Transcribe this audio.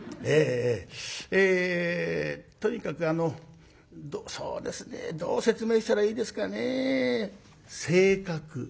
えとにかくあのそうですねどう説明したらいいですかね性格。